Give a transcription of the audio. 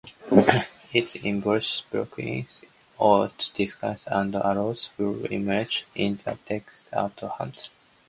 It involves blocking out distractions and allowing full immersion in the task at hand.